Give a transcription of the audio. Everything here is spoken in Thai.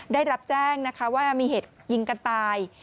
ได้รับแจ้งนะคะว่ามีเหตุยิงกันตาย